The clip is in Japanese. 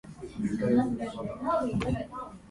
渡島当別駅